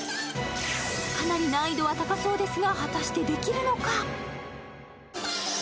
かなり難易度は高そうですが、果たしてできるのか？